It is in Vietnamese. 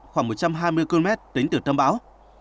khoảng một trăm hai mươi km tính từ tâm bão